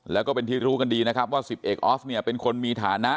แล้วก็เป็นที่รู้กันดีนะครับว่า๑๐เอกออฟเนี่ยเป็นคนมีฐานะ